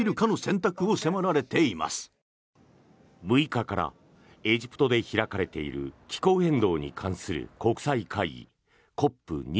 ６日からエジプトで開かれている気候変動に関する国際会議ＣＯＰ２７。